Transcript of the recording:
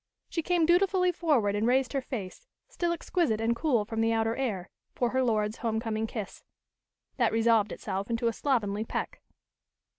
She came dutifully forward and raised her face, still exquisite and cool from the outer air, for her lord's home coming kiss. That resolved itself into a slovenly peck.